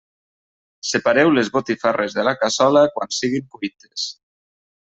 Separeu les botifarres de la cassola, quan siguin cuites.